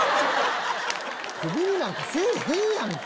クビになんかせぇへんやんか。